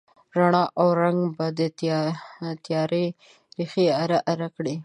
رڼا او رنګ به د تیارې ریښې اره، اره کړي